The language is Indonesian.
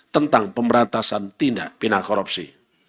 tentang pemberantasan tindak pindah korupsi